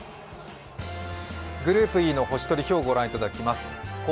グループＥの星取表ご覧いただきます。